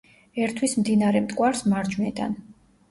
ერთვის მდინარე მტკვარს მარჯვნიდან.